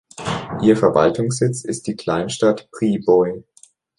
Ihr Verwaltungssitz ist die Kleinstadt Priboj.